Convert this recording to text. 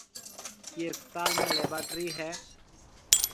ايئيَ اسپتال ۾ ليبارٽرِي ھيََََ